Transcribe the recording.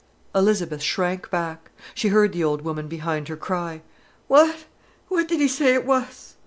Elizabeth shrank back. She heard the old woman behind her cry: "What?—what did 'e say it was?"